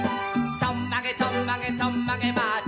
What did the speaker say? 「ちょんまげちょんまげちょんまげマーチ」